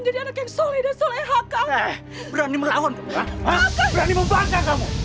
jangan bisa membantu mencari uang